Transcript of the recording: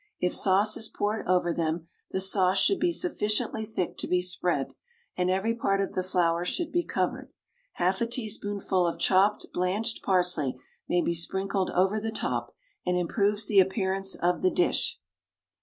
If sauce is poured over them, the sauce should be sufficiently thick to be spread, and every part of the flower should be covered. Half a teaspoonful of chopped blanched parsley may be sprinkled over the top, and improves the appearance of the dish.